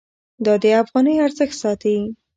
دا د افغانۍ ارزښت ساتي.